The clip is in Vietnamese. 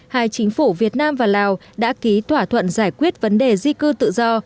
hai chính phủ việt nam và lào đã ký thỏa thuận giải quyết vấn đề di cư tự do